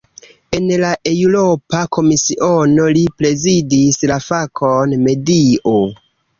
En la Eŭropa Komisiono, li prezidis la fakon "medio".